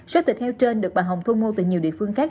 số thịt heo trên được bà hồng thu mua từ nhiều địa phương khác